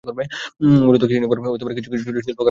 মুলত কৃষি কৃষি নির্ভর ও কিছু ছোট ছোট শিল্প কারখানা আছে।